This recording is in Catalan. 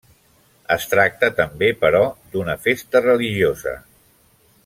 Es tracta també, però, d'una festa religiosa.